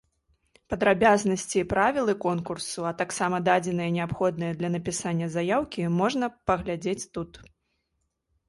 Падрабязнасці і правілы конкурсу, а таксама дадзеныя неабходныя для напісання заяўкі можна паглядзець тут.